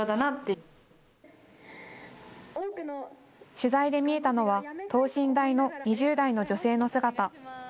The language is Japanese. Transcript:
取材で見えたのは、等身大の２０代の女性の姿。